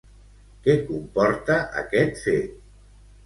Què comporta aquest fet?